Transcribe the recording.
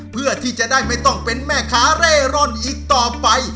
เพื่อที่จะได้ไม่ต้องเป็นแม่ค้าเร่ร่อนอีกต่อไป